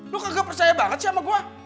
lo kagak percaya banget sih sama gue